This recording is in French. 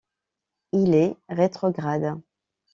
Il est rétrograde.